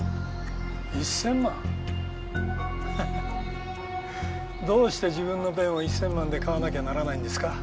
ハハッ。どうして自分のペンを１，０００万で買わなきゃならないんですか？